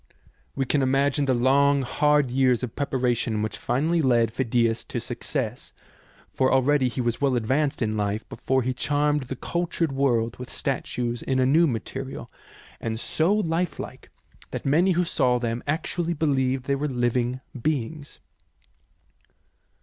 We can imagine the long, hard years of preparation which finally led Phidias to success, for already he was well advanced in life before he charmed the cultured world with statues in a new material, STATUE OF THE OLYMPIAN ZEUS 83 and so lifelike that many who saw them actually believed they were living beings.